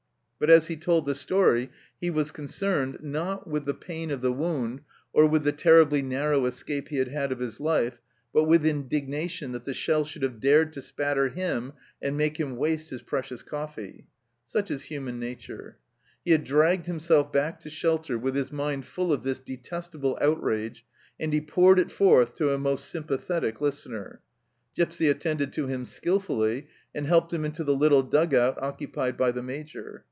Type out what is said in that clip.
But as he told the story he was concerned, not with the I > I a GIPSY AND THE MAJOR 89 pain of the wound, or with the terribly narrow escape he had had of his life, but with indignation that the shell should have dared to spatter him and make him waste his precious coffee ! Such is human nature! He had dragged himself back to shelter with his mind full of this detestable out rage, and he poured it forth to a most sympathetic listener. Gipsy attended to him skilfully, and helped him into the little dug out occupied by the Major.